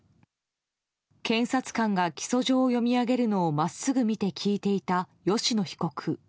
検察官が起訴状を読み上げるのを真っすぐ見て聞いていた吉野被告。